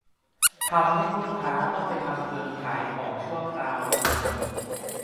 ทำให้ผู้ค้า ต้องไปทำเพิงขายของชั่วคราวริมถนน